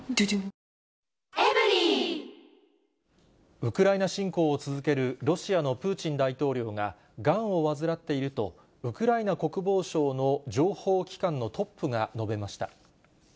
ウクライナ侵攻を続けるロシアのプーチン大統領が、がんを患っていると、ウクライナ国防省の情報機関のトップが述べました。